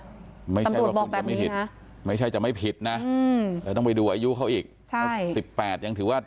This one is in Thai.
ตำรวจบอกแบบนี้นะไม่ใช่จะไม่ผิดนะแต่ต้องไปดูอายุเขาอีก๑๘ยังถือว่า